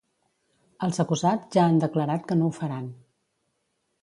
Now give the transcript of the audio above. Els acusats ja han declarat que no ho faran.